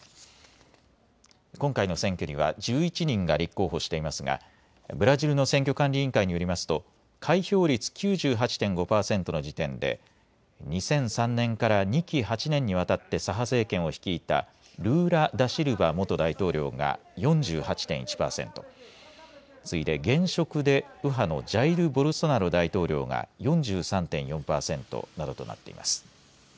今回の選挙には１１人が立候補していますがブラジルの選挙管理委員会によりますと開票率９８．５％の時点で２００３年から２期８年にわたって左派政権を率いたルーラ・ダシルバ元大統領が４８．１％、次いで現職で右派のジャイル・ボルソナロ大統領が４３．４％などとなっています。